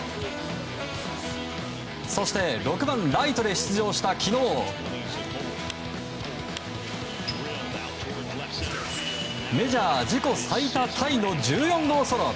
そして、６番ライトで出場した昨日メジャー自己最多タイの１４号ソロ！